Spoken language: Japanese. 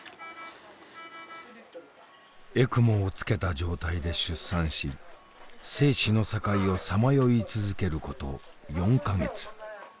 ＥＣＭＯをつけた状態で出産し生死の境をさまよい続けること４か月。